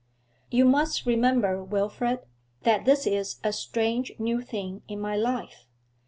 'You must remember, Wilfrid, that this is a strange, new thing in my life.